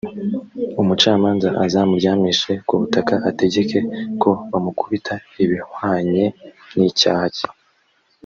umucamanza azamuryamishe ku butaka, ategeke ko bamukubita ibihwanye n’icyaha cye.